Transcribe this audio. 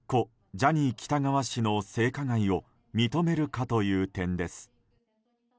ジャニー喜多川氏の性加害を認めるかという点です。